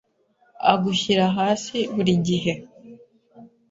Agushyira hasi buri gihe